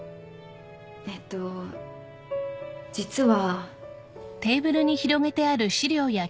えっと実は。